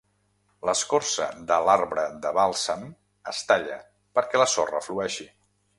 L'escorça de l'arbre de bàlsam es talla perquè la sorra flueixi.